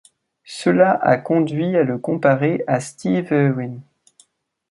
Cela a conduit à le comparer à Steve Irwin.